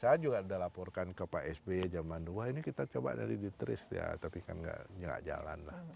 saya juga udah laporkan ke pak sby jaman dulu wah ini kita coba dari di trist ya tapi kan gak jalan lah